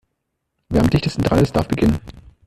Wer am dichtesten dran ist, darf beginnen.